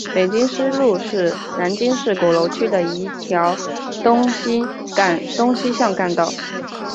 北京西路是南京市鼓楼区的一条东西向干道。